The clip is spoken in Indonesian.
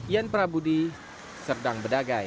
ian prabudi serdang bedagai